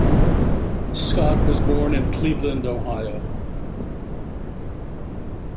Scott was born in Cleveland, Ohio.